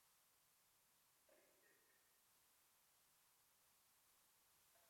骂谁汉奸